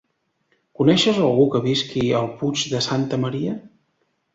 Coneixes algú que visqui al Puig de Santa Maria?